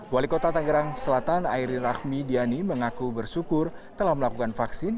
wali kota tangerang selatan air rahmi diani mengaku bersyukur telah melakukan vaksin